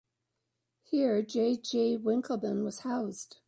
Here J. J. Winckelmann was housed.